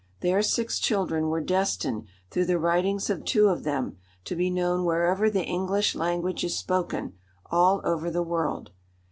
Their six children were destined, through the writings of two of them, to be known wherever the English language is spoken, all over the world.